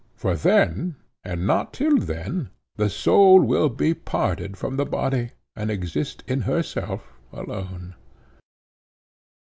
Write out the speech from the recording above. For then, and not till then, the soul will be parted from the body and exist in herself alone.